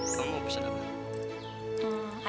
kamu mau pesan apa